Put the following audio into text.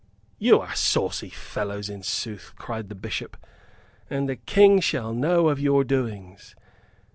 "You are saucy fellows, in sooth," cried the Bishop, "and the King shall know of your doings.